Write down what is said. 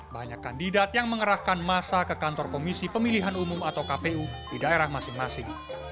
banyak kandidat yang mengerahkan masa ke kantor komisi pemilihan umum atau kpu di daerah masing masing